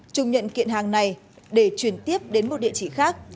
trung nhận kiện hàng này để chuyển tiếp đến một địa chỉ khác